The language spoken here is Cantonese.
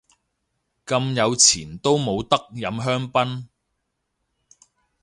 咁有錢都冇得飲香檳